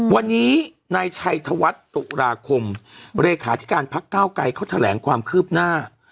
วันนี้นายชัยธวัฒน์ตุราคมเลขาธิการพักเก้าไกรเขาแถลงความคืบหน้า